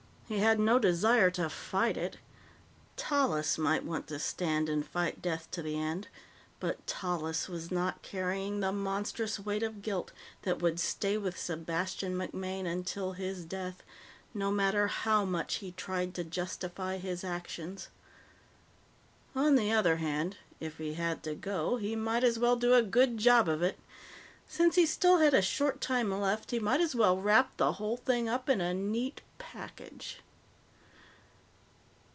He had no desire to fight it. Tallis might want to stand and fight death to the end, but Tallis was not carrying the monstrous weight of guilt that would stay with Sebastian MacMaine until his death, no matter how much he tried to justify his actions. On the other hand, if he had to go, he might as well do a good job of it. Since he still had a short time left, he might as well wrap the whole thing up in a neat package.